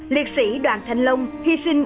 liệt sĩ đoàn thanh long hy sinh